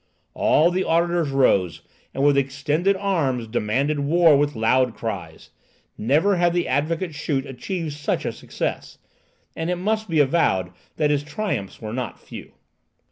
All the auditors rose, and with extended arms demanded war with loud cries. Never had the Advocate Schut achieved such a success, and it must be avowed that his triumphs were not few.